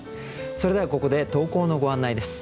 それではここで投稿のご案内です。